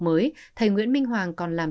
mới thầy nguyễn minh hoàng còn làm